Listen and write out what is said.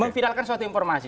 memfinalkan suatu informasi